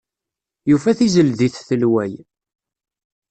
Yufa tizeldit telway.